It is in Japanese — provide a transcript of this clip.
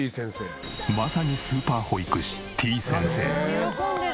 まさにスーパー保育士てぃ先生。